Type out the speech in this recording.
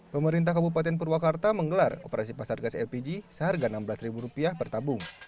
pemerintah kabupaten purwakarta menggelar operasi pasar gas lpg seharga rp enam belas per tabung